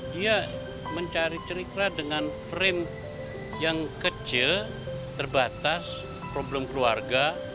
dia mencari cerita dengan frame yang kecil terbatas problem keluarga